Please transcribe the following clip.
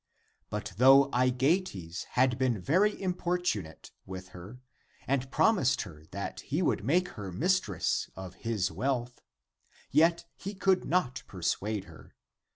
And though Aegeates had been very importunate with her and promised her that he w^ould make her mistress of his wealth, yet he could not persuade her.